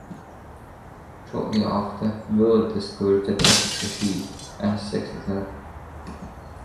Shortly after, Willard discovers that Duck is a she, and has sex with her.